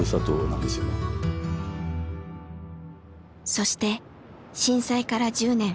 そして震災から１０年。